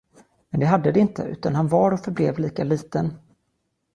Men det hade det inte, utan han var och förblev lika liten.